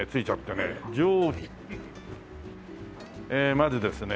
まずですね